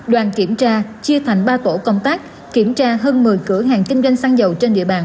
đoàn kiểm tra chia thành ba tổ công tác kiểm tra hơn một mươi cửa hàng kinh doanh xăng dầu trên địa bàn